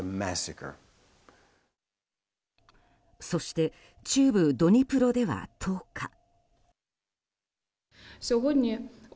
そして中部ドニプロでは１０日。